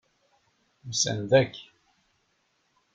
Usan-d akk.